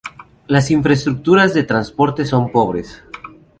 Las infraestructuras de transportes son pobres.